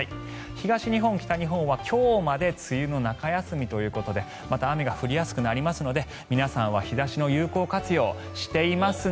東日本、北日本は今日まで梅雨の中休みということでまた雨が降りやすくなりますので皆さんは日差しの有効活用していますね。